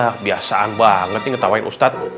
kebiasaan banget nih ngetawain ustadz